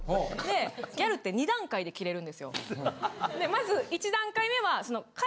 まず１段階目は。